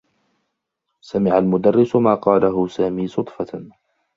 سمع المدرّس ما قله سامي صدفة.